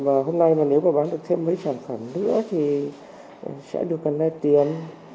mà hôm nay nếu bán được thêm mấy sản phẩm nữa thì sẽ được cân lấy tiền